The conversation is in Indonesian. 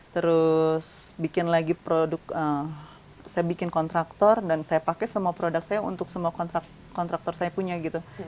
terus bikin lagi produk saya bikin kontraktor dan saya pakai semua produk saya untuk semua kontraktor saya punya gitu